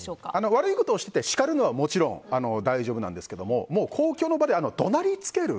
悪いことをして叱るのはもちろん大丈夫なんですけどもう、公共の場で怒鳴りつける。